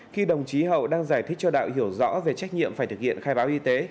khi đồng chí hậu đang giải thích cho đạo hiểu rõ về trách nhiệm phải thực hiện khai báo y tế